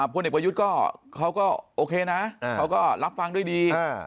พลเอกประยุทธ์ก็เขาก็โอเคนะเขาก็รับฟังด้วยดี